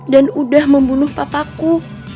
dan udah membunuh papaku